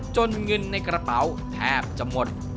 เงินในกระเป๋าแทบจะหมด